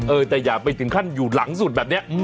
เออแต่อย่าไปถึงขั้นอยู่หลังสุดแบบนี้